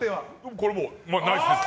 これはナイスです。